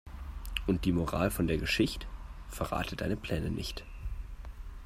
Und die Moral von der Geschicht': Verrate deine Pläne nicht.